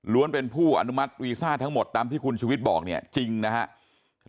เป็นผู้อนุมัติวีซ่าทั้งหมดตามที่คุณชุวิตบอกเนี่ยจริงนะครับ